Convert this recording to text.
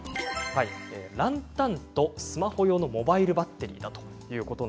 ランタンとスマホ用のモバイルバッテリーです。